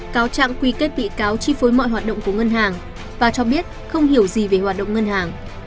cáo trạng quy kết bị cáo chi phối mọi hoạt động của ngân hàng và cho biết không hiểu gì về hoạt động ngân hàng